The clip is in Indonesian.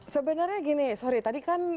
sebenarnya gini sorry